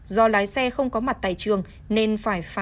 do lái xe không có mặt tại trường nên phải phá